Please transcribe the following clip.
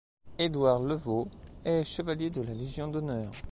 Édouard Leveau est chevalier de la Légion d'honneur.